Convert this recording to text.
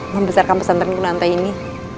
membesarkan pesantren kunanta ini